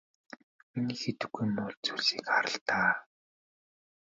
Миний хийдэггүй муу зүйлсийг хар л даа.